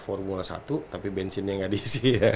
formula satu tapi bensinnya nggak diisi